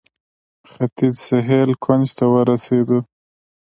ختیځ سهیل کونج ته ورسېدو.